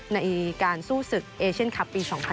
ในการสู้ศึกเอเชียนคลับปี๒๐๑๖